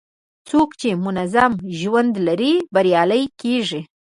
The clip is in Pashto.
څوک چې منظم ژوند لري، بریالی کېږي.